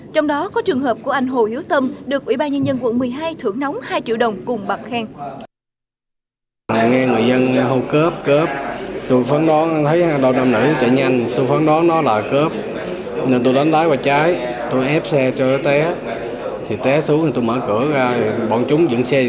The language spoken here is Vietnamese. trong đó có trường hợp của anh hồ yếu tâm được ubnd quận một mươi hai thưởng nóng hai triệu đồng cùng bằng khen